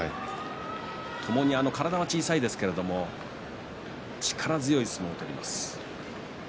ともに体は小さいですが力強い相撲を取ります。